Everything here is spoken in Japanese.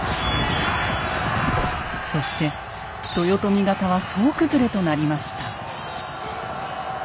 そして豊臣方は総崩れとなりました。